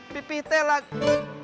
pipih teh lagi